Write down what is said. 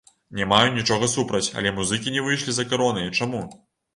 Не маю нічога супраць, але музыкі не выйшлі за каронай, чаму?